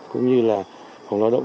cũng như là phòng lao động